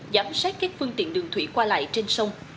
giám sát các phương tiện đường thủy qua lại trên sông